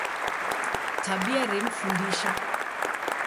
Tabia remfundisha